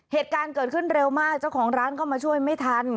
เหตุการณ์เกิดขึ้นเร็วมากเจ้าของร้านเข้ามาช่วยไม่ทัน